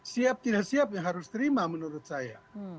siap atau tidak siap harus dikaitkan menurut saya